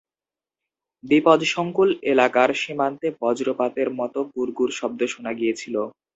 বিপদসংকুল এলাকার সীমান্তে বজ্রপাতের মতো গুড়গুড় শব্দ শোনা গিয়েছিল।